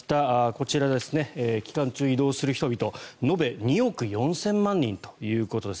こちら、期間中移動する人々延べ２億４０００万人ということです。